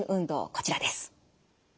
こちらです。